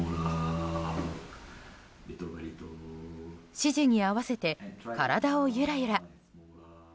指示に合わせて体をゆらゆら。